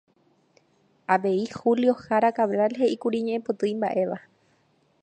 Avei Julio Jara Cabral heʼíkuri ñeʼẽpoty imbaʼéva.